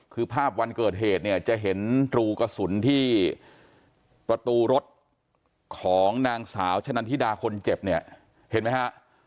คือภาพวันเกิดเหตุเนี่ยจะเห็นรูกระสุนที่ประตูรถของนางสาวชะนันทิดาคนเจ็บเนี่ยเห็นไหมฮะ